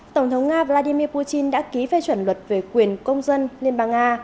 tổng thống nga vladimir putin đã ký phê chuẩn luật về quyền công dân liên bang nga